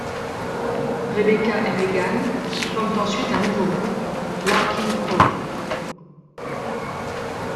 Rebecca et Megan forment ensuite un nouveau groupe: Larkin Poe.